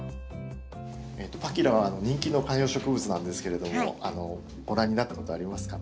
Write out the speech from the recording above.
パキラは人気の観葉植物なんですけれどもご覧になったことありますか？